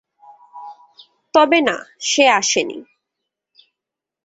তবে না, সে আসেনি।